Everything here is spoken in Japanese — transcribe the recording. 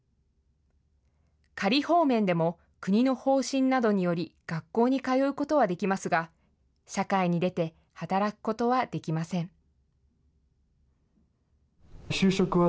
仮放免でも、国の方針などにより、学校に通うことはできますが、社会に出て働くことはできません。